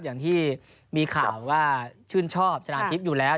อย่างที่มีข่าวว่าชื่นชอบชนะทิพย์อยู่แล้ว